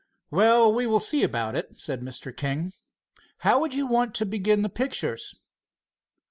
"Well, we will see about it," said Mr. King. "How would you want to begin the pictures?"